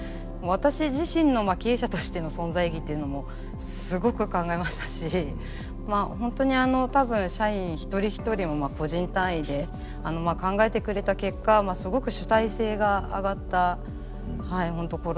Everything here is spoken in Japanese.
私自身の経営者としての存在意義っていうのもすごく考えましたし本当に多分社員一人一人も個人単位で考えてくれた結果すごく主体性が上がったはい本当